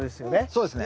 そうですね。